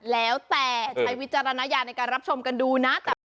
แล้วแต่ใช้วิจารณญาณในการรับชมกันดูนะ